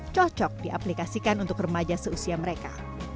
cocok diaplikasikan untuk remaja seusia mereka